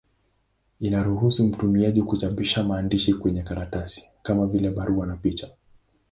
Inaruhusu mtumiaji kuchapisha maandishi kwenye karatasi, kama vile barua na picha.